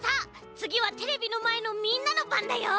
つぎはテレビのまえのみんなのばんだよ。